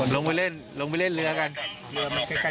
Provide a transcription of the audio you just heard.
ลงไปเล่นเรือกัน